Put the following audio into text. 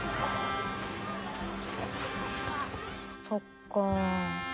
そっか。